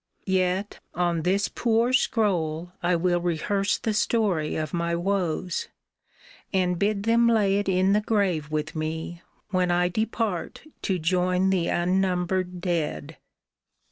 Yet on this poor scroll 30 VASHTl'S SCROLL I will rehearse the story of my woes, And bid them lay it in the grave with me When I depart to join the unnumbered dead.